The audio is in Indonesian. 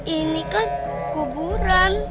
ini kan kuburan